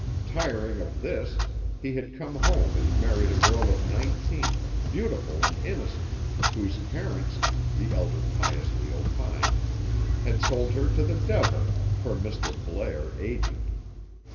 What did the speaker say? Tiring of this, he had come home and married a girl of nineteen, beautiful and innocent, whose parents, the Elder piously opined, had sold her to the devil, per Mr. Blair, agent.